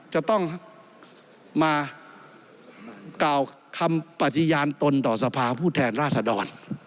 จะต้องมากล่าวคำปฏิญาณตนต่อสภาผู้แทนราษดร